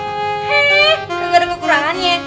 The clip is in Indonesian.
he gak ada kekurangannya